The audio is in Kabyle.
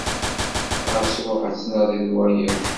Ɣas ruḥ ad tnadiḍ wayeḍ.